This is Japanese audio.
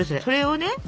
それをね